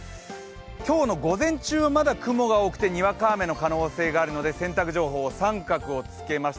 今日の午前中、まだ雲が多くてにわか雨の可能性があるので選択情報、△をつけました。